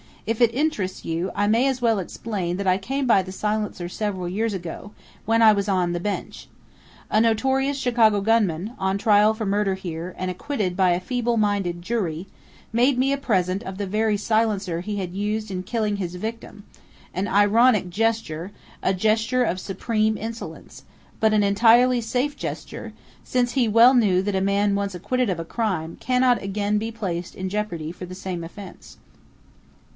If it interests you, I may as well explain that I came by the silencer several years ago, when I was on the bench. A notorious Chicago gunman, on trial for murder here, and acquitted by a feeble minded jury, made me a present of the very silencer he had used in killing his victim an ironic gesture, a gesture of supreme insolence, but an entirely safe gesture, since he well knew that a man once acquitted of a crime cannot again be placed in jeopardy for the same offence."